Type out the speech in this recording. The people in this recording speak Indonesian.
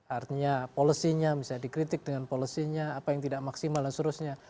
artinya policy nya bisa dikritik dengan policy nya apa yang tidak maksimal dan seterusnya